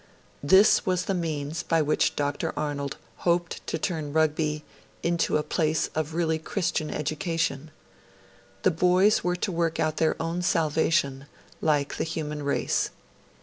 This was the means by which Dr. Arnold hoped to turn Rugby into 'a place of really Christian education'. The boys were to work out their own salvation, like the human race.